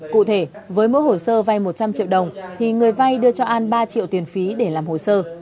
cụ thể với mỗi hồ sơ vay một trăm linh triệu đồng thì người vay đưa cho an ba triệu tiền phí để làm hồ sơ